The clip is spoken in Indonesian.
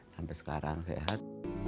sampai sekarang sehat